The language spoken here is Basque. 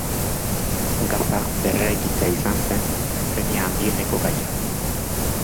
Gaza berreraikitzea izan zen premia handieneko gaia.